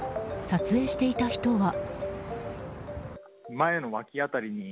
撮影していた人は。